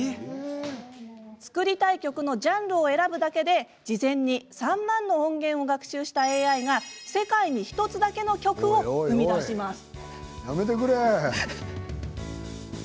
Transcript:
作りたい曲のジャンルを選ぶだけで事前に３万の音源を学習したＡＩが世界に１つだけの曲を生み出します。